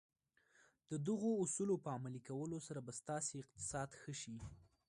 د دغو اصولو په عملي کولو سره به ستاسې اقتصاد ښه شي.